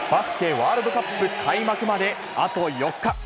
ワールドカップ開幕まで、あと４日。